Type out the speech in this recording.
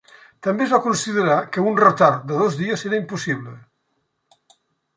També es va considerar que un retard de dos dies era impossible.